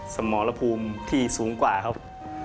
สมรภูมิที่สูงกว่าครับ